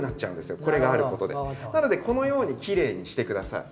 なのでこのようにきれいにして下さい。